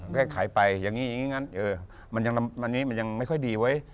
ก็ให้ขายไปอย่างนี้อย่างนี้อย่างนั้นมันยังไม่ค่อยดีไว้